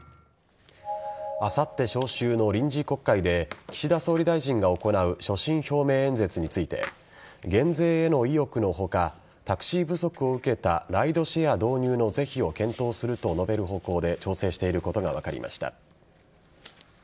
あさって召集の臨時国会で岸田総理大臣が行う所信表明演説について減税への意欲の他タクシー不足を受けたライドシェア導入の是非を検討すると述べる方向で調整していることが分かりました。